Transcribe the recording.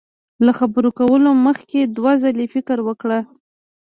له خبرو کولو مخ کي دوه ځلي فکر وکړه